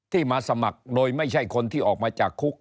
มาสมัครโดยไม่ใช่คนที่ออกมาจากคุก